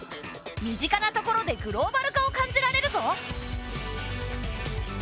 身近なところでグローバル化を感じられるぞ。